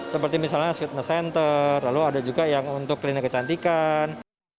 seperti misalnya fitness center lalu ada juga yang untuk klinik kecantikan